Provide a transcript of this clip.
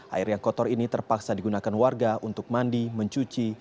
air yang kotor ini terpaksa digunakan warga untuk mandi mencuci